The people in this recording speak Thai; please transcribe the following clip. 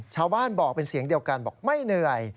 ชาวบ้านบอกเป็นเสียงเดียวกันบอกไม่เหนื่อย